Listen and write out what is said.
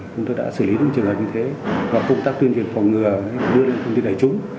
chúng tôi đã xử lý được trường hợp như thế và công tác tuyên truyền phòng ngừa đưa lên công ty đại chúng